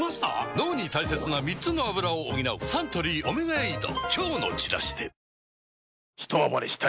脳に大切な３つのアブラを補うサントリー「オメガエイド」